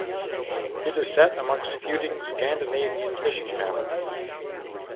It is set amongst feuding Scandinavian fishing families.